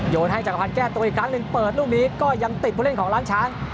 ให้จักรพันธ์แก้ตัวอีกครั้งหนึ่งเปิดลูกนี้ก็ยังติดผู้เล่นของล้านช้าง